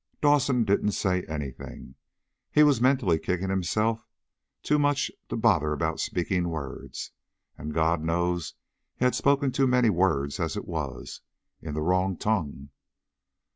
Dawson didn't say anything. He was mentally kicking himself too much to bother about speaking words. And God knows he had spoken too many words as it was in the wrong tongue.